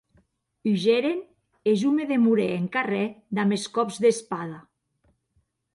Hugeren, e jo me demorè en carrèr damb es còps d'espada.